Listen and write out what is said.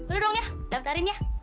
udah dong ya daftarin ya